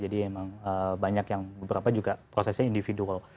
jadi emang banyak yang beberapa juga prosesnya individual